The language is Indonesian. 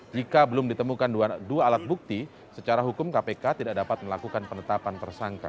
jika belum ditemukan dua alat bukti secara hukum kpk tidak dapat melakukan penetapan tersangka